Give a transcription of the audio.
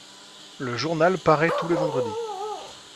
Le journal paraît tous les vendredis.